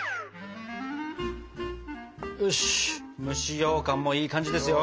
よし蒸しようかんもいい感じですよ！